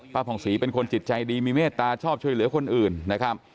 ผ่องศรีเป็นคนจิตใจดีมีเมตตาชอบช่วยเหลือคนอื่นนะครับ